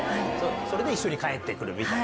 それで一緒に帰ってくるみたいな。